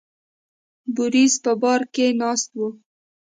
بوریس په بار کې ناست و.